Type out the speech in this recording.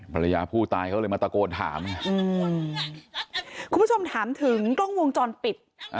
ภรรยาผู้ตายเขาเลยมาตะโกนถามคุณผู้ชมถามถึงกล้องวงจรปิด